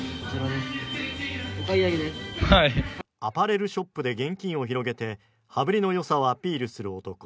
アパレルショップで現金を広げて羽振りのよさをアピールする男。